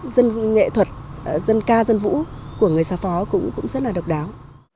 dân nghệ thuật dân ca dân vũ của người xa phó cũng rất là độc đáo